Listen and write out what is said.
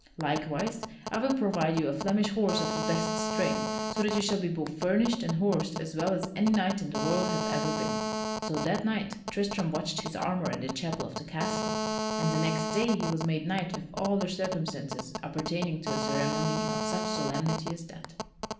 Likewise I will provide you a Flemish horse of the best strain, so that you shall be both furnished and horsed as well as any knight in the world hath ever been." [Sidenote: Tristram is made knight royal] So that night Tristram watched his armor in the chapel of the castle, and the next day he was made knight with all the circumstances appertaining to a ceremony of such solemnity as that.